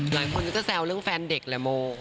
หลายคนก็จะแซวเรื่องแฟนเด็กแหละโม